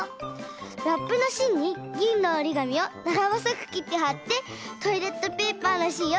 ラップのしんにぎんのおりがみをながぼそくきってはってトイレットペーパーのしんをかぶせたよ。